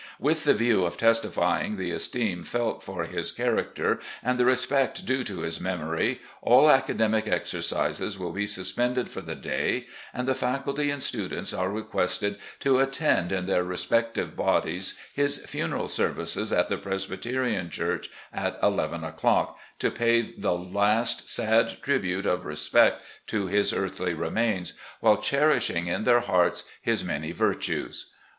"With the view of testif3dng the esteem felt for his character and the respect due to his memory, all aca demic exercises will be suspended for the day, and the faculty and students are requested to attend in their respective bodies his funeral services at the Presb)rterian church, at eleven o'clock, to pay the last sad tribute of respect to his earthly remains, while cherishing in their hearts his many virtues.